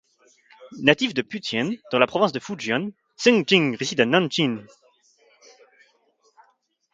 Natif de Putian, dans la province du Fujian, Zeng Jing réside à Nanjin.